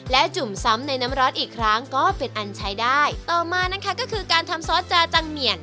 จุ่มซ้ำในน้ำร้อนอีกครั้งก็เป็นอันใช้ได้ต่อมานะคะก็คือการทำซอสจาจังเหมียน